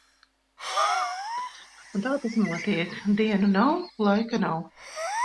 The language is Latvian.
Un tā tas notiek. Dienu nav, laika nav.